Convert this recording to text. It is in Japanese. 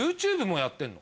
ＹｏｕＴｕｂｅもやってんの？